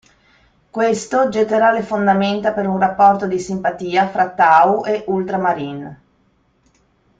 Questo getterà le fondamenta per un rapporto di simpatia fra Tau e Ultramarine.